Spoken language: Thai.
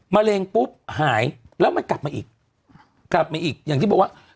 มะเร็งปุ๊บหายแล้วมันกลับมาอีกกลับมาอีกอย่างที่บอกว่า